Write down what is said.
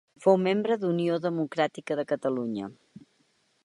Fou membre d'Unió Democràtica de Catalunya.